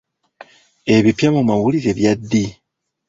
Ebipya mu mawulire bya ddi?